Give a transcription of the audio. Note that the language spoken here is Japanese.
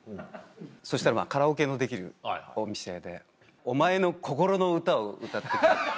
そしたらカラオケのできるお店で「お前の心の歌を歌ってくれ」。